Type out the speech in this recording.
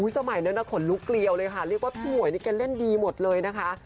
สมัยนั้นขนลุกเกลียวเลยค่ะเรียกว่าพี่หวยนี่แกเล่นดีหมดเลยนะคะ